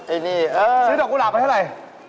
ไอ้นี่ซื้อดอกกุหลาบไปเท่าไหร่